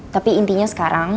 tapi intinya sekarang